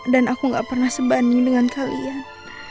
dan aku gak pernah sebanding dengan kalian